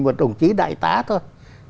của đồng chí đại tá thôi